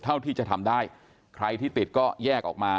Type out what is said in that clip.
เท่าที่จะทำได้ใครที่ติดก็แยกออกมา